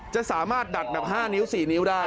จะสามารถดัด๕๔นิ้วได้